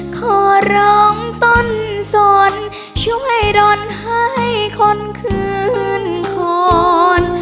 ขอร้องต้นสนช่วยดนให้คนคืนคอน